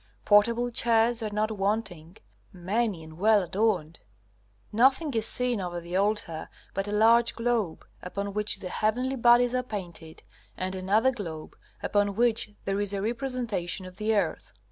Portable chairs are not wanting, many and well adorned. Nothing is seen over the altar but a large globe, upon which the heavenly bodies are painted, and another globe upon which there is a representation of the earth.